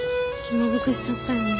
気まずくしちゃったよね。